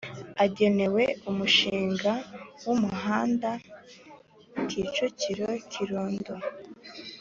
agenewe umushinga w umuhanda Kicukiro Kirundo